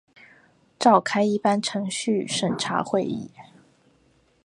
召开一般程序审查会议